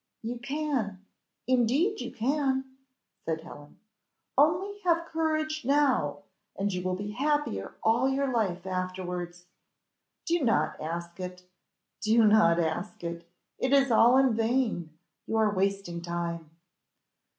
"You can, indeed you can," said Helen; "only have courage now, and you will be happier all your life afterwards." "Do not ask it do not ask it it is all in vain, you are wasting time."